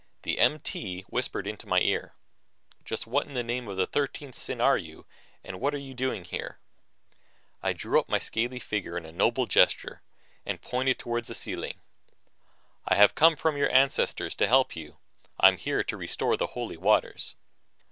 The MT whispered into my ear, "Just what in the name of the thirteenth sin are you and what are you doing here?" I drew up my scaly figure in a noble gesture and pointed toward the ceiling. "I come from your ancestors to help you. I am here to restore the Holy Waters."